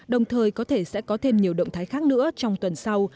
đồng thời có thể sẽ có thêm nhiều động thái khác nữa trong tuần sau